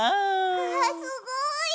わあすごい！